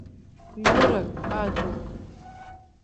Ҩырак адуп.